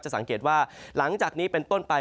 สังเกตว่าหลังจากนี้เป็นต้นไป